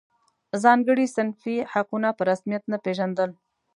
ځانګړي صنفي حقونه په رسمیت نه پېژندل.